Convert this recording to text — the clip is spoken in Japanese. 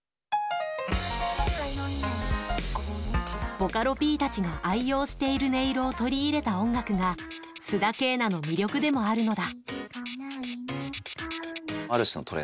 ボカロＰたちが愛用している音色を取り入れた音楽が須田景凪の魅力でもあるのだ。